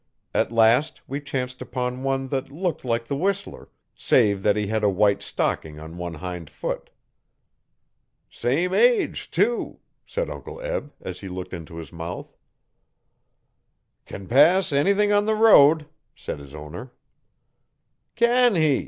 At last we chanced upon one that looked like the whistler, save that he had a white stocking on one hind foot. 'Same age, too,' said Uncle Eb, as he looked into his mouth. 'Can pass anything on the road,' said his owner. 'Can he?'